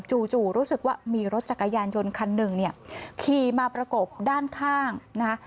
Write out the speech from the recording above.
จู่รู้สึกว่ามีรถจักรยานยนต์คันหนึ่งเนี่ยขี่มาประกบด้านข้างนะคะ